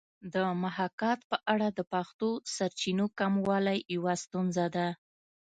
د محاکات په اړه د پښتو سرچینو کموالی یوه ستونزه ده